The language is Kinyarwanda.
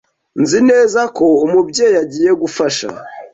Nzi neza ko Umubyeyi agiye gufasha.